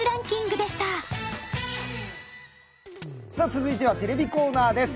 続いてはテレビコーナーです。